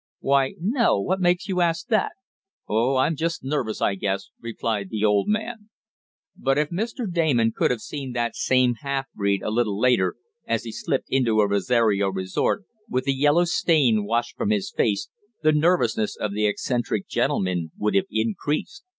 "Why no? What makes you ask that?" "Oh, I'm just nervous, I guess," replied the odd man. But if Mr. Damon could have seen that same half breed a little later, as he slipped into a Rosario resort, with the yellow stain washed from his face, the nervousness of the eccentric gentleman would have increased.